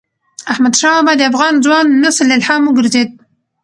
احمدشاه بابا د افغان ځوان نسل الهام وګرځيد.